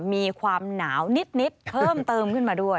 มีความหนาวนิดเพิ่มเติมขึ้นมาด้วย